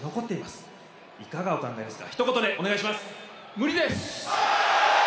無理です！